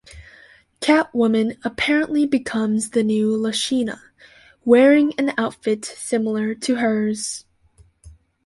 Catwoman apparently becomes the new Lashina, wearing an outfit similar to hers.